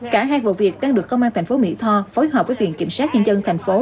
cả hai vụ việc đang được công an thành phố mỹ tho phối hợp với viện kiểm sát nhân dân thành phố